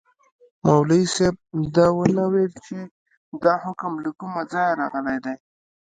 مولوي صاحب دا ونه ویل چي دا حکم له کومه ځایه راغلی دی.